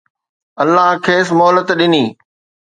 الله کيس مهلت ڏني